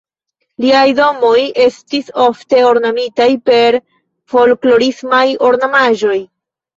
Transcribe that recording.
Liaj domoj estis ofte ornamitaj per folklorismaj ornamaĵoj.